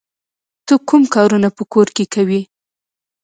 ته کوم کارونه په کور کې کوې؟